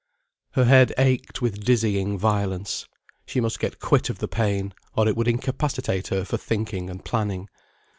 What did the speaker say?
Her head ached with dizzying violence; she must get quit of the pain or it would incapacitate her for thinking and planning.